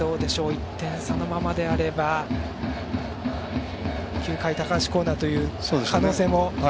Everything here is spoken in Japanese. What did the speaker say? １点差のままであれば９回、高橋光成という可能性も。